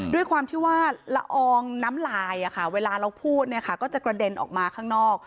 ด้วยความที่ว่าละอองน้ำลายเวลาเราพูดก็จะกระเด็นออกมาข้างนอก